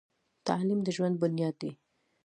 تعلیم د ژوند بنیاد دی.